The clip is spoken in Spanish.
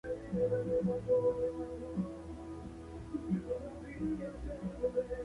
El nombre de esta localidad deriva del árbol nativo llamado Canelo.